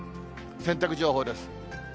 洗濯情報です。